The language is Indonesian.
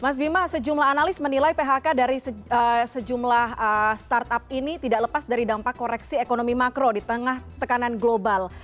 mas bima sejumlah analis menilai phk dari sejumlah startup ini tidak lepas dari dampak koreksi ekonomi makro di tengah tekanan global